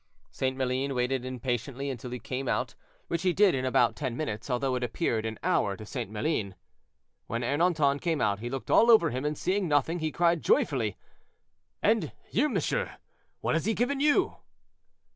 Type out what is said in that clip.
St. Maline waited impatiently until he came out again, which he did in about ten minutes, although it appeared an hour to St. Maline. When Ernanton came out, he looked all over him, and seeing nothing, he cried joyfully, "And you, monsieur, what has he given to you?"